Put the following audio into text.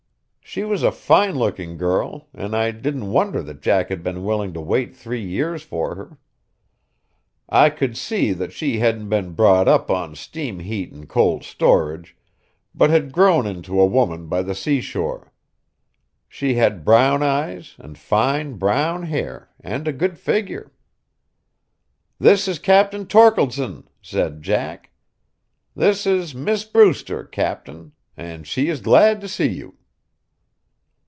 She was a fine looking girl, and I didn't wonder that Jack had been willing to wait three years for her. I could see that she hadn't been brought up on steam heat and cold storage, but had grown into a woman by the sea shore. She had brown eyes, and fine brown hair, and a good figure. "This is Captain Torkeldsen," said Jack. "This is Miss Brewster, captain; and she is glad to see you."